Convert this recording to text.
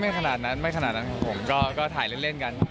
ขนาดนั้นไม่ขนาดนั้นครับผมก็ถ่ายเล่นกัน